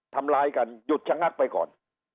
ทำร้ายกันหยุดชะงักไปก่อน